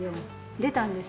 出たんですよ。